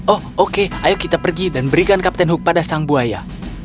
oh oke ayo kita pergi dan berikan kapten hook pada sang buaya